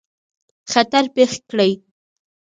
خطر پېښ کړي.